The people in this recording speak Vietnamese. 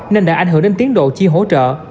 nên đã ảnh hưởng đến tiến độ chi hỗ trợ